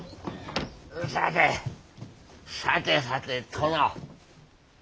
さてさてさて殿。